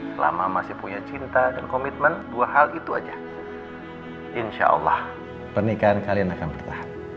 selama masih punya cinta dan komitmen dua hal itu aja insya allah pernikahan kalian akan bertahan